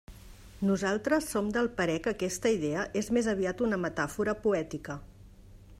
Nosaltres som del parer que aquesta idea és més aviat una metàfora poètica.